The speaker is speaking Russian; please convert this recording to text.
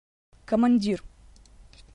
командир